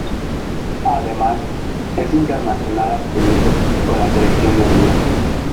Además, es internacional absoluto con la Selección de Honduras.